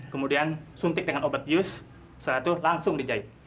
kemudian suntik dengan obat yus setelah itu langsung dijahit